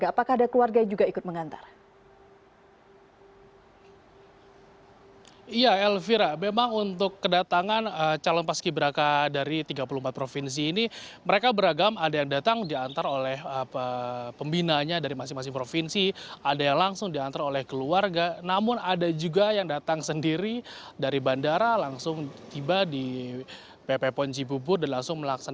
apakah sehingga siang ini semua calon paski berak akan menjalani pemusatan pelatihan